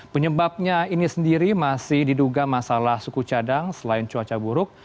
penyebabnya ini sendiri masih diduga masalah suku cadang selain cuaca buruk